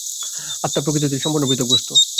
আত্মা প্রকৃতি হইতে সম্পূর্ণ পৃথক বস্তু।